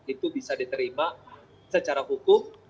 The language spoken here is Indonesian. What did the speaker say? itu bisa diterima secara hukum